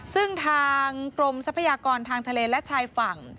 ซึ่งทางกรมทรัพยากรทางทะเลและชายฝั่ง